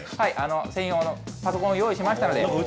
専用のパソコンを用意しましたので。